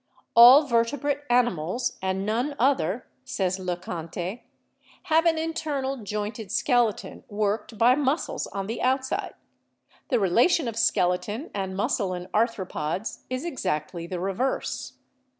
"All vertebrate animals, and none other," says Le Conte, "have an internal jointed skeleton worked by muscles on the outside. The relation of skeleton and muscle in arthropods is exactly the reverse.